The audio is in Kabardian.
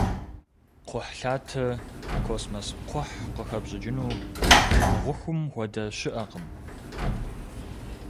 Кхъухьлъатэ, космос кхъухь къыхэпщӀыкӀыну гъухум хуэдэ щыӀэкъым.